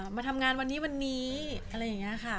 มาทำงานวันนี้วันนี้อะไรอย่างนี้ค่ะ